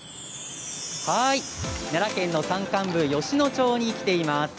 奈良県の山間部吉野町に来ています。